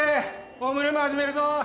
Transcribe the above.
ホームルーム始めるぞ。